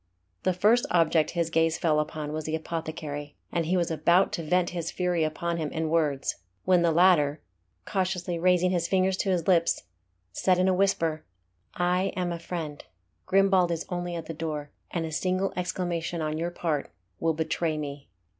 The first object his gaze fell upon was the apothecary, and he was about to vent his fury upon him in words, when the latter, cautiously raising his finger to his lips, said in a whisper "I am a friend. Grimbald is only at the door, and a single exclamation on your part will betray me."